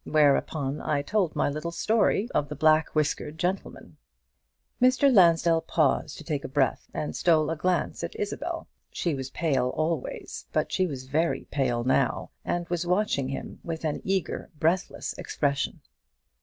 Whereupon I told my little story of the black whiskered gentleman." Mr. Lansdell paused to take breath, and stole a glance at Isabel. She was pale always, but she was very pale now, and was watching him with an eager breathless expression.